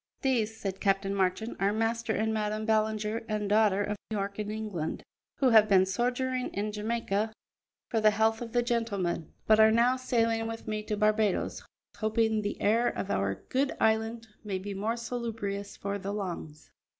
"These," said Captain Marchand, "are Master and Madam Ballinger and daughter, of York in England, who have been sojourning in Jamaica for the health of the gentleman, but are now sailing with me to Barbadoes, hoping the air of our good island may be more salubrious for the lungs."